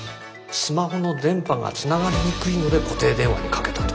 スマホの電波がつながりにくいので固定電話にかけたと。